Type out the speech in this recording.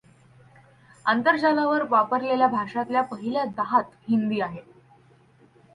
आंतरजालावर वापरलेल्या भाषांतल्या पहिल्या दहात हिंदी आहे.